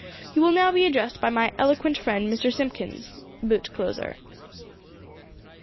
You will now be addressed by my eloquent friend Mr. Simpkins, boot closer."